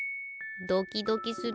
ドキドキする。